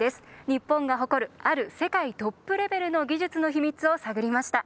日本が誇るある世界トップレベルの技術の秘密を探りました。